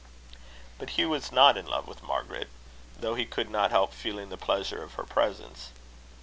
But Hugh was not in love with Margaret, though he could not help feeling the pleasure of her presence.